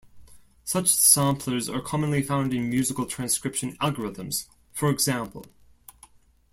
Such samplers are commonly found in musical transcription algorithms for example.